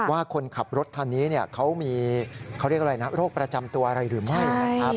ว่าคนขับรถทันนี้เขามีโรคประจำตัวอะไรหรือไม่